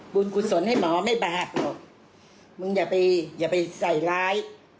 กุศลให้หมอไม่บาปหรอกมึงอย่าไปอย่าไปใส่ร้าย